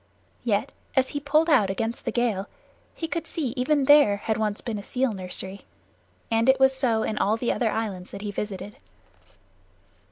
Yet as he pulled out against the gale he could see that even there had once been a seal nursery. And it was so in all the other islands that he visited.